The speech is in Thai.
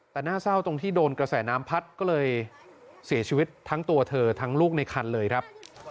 แต่น่าเศร้าตรงที่โดนกระแสน้ำพัดก็เลยเสียชีวิตทั้งตัวเธอทั้งลูกในคันเลยครับ